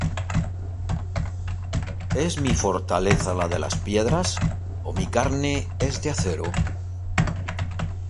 ¿Es mi fortaleza la de las piedras? ¿O mi carne, es de acero?